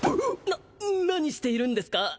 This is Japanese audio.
な何しているんですか？